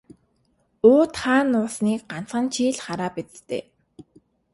Уут хаана нуусныг ганцхан чи л хараа биз дээ.